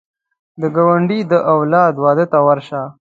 د ګاونډي د اولاد واده ته ورشه